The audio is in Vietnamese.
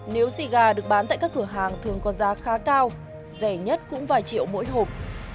nếu xì gà được bán tại các cửa hàng thường có giá khá cao rẻ nhất cũng vài triệu mỗi hộp